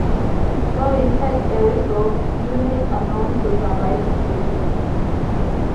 No intact Erie-built units are known to survive today.